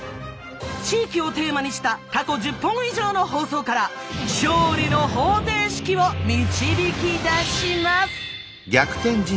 地域をテーマにした過去１０本以上の放送から勝利の方程式を導き出します。